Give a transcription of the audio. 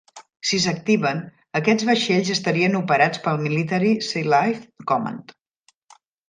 Si s'activen, aquests vaixells estarien operats pel Military Sealift Command.